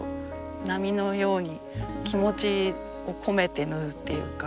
波のように気持ちを込めて縫うっていうか